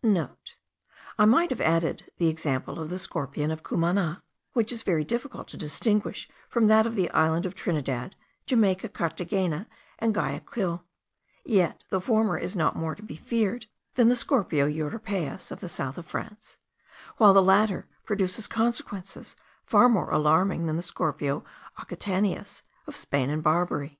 *(* I might have added the example of the scorpion of Cumana, which it is very difficult to distinguish from that of the island of Trinidad, Jamaica, Carthagena, and Guayaquil; yet the former is not more to be feared than the Scorpio europaeus (of the south of France), while the latter produces consequences far more alarming than the Scorpio occitanus (of Spain and Barbary).